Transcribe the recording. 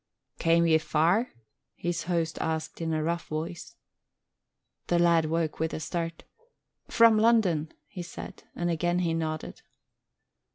"Cam' ye far?" his host asked in a rough voice. The lad woke with a start. "From London," he said and again he nodded.